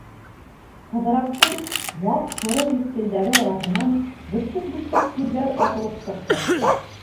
Ҡыҙырастың ваҡ һоро һипкелдәре араһынан бөрсөк-бөрсөк тирҙәр атылып сыҡты.